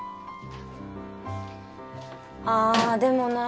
ああでもなあ